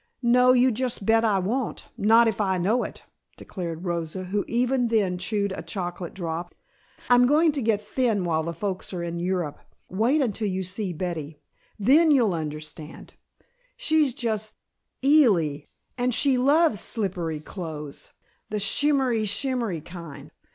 "No, you just bet I won't, not if I know it," declared Rosa, who even then chewed a chocolate drop. "I'm going to get thin while the folks are in Europe. Wait until you see Betty, then you'll understand. She's just eel ly, and she loves slippery clothes, the shimmery shimmery kind.